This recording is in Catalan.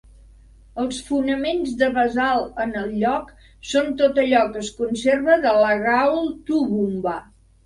Els fonaments de basalt en el lloc són tot allò que es conserva de la Gaol Toowoomba.